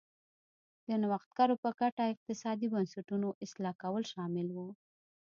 د نوښتګرو په ګټه اقتصادي بنسټونو اصلاح کول شامل و.